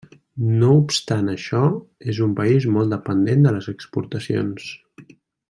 No obstant això és un país molt dependent de les exportacions.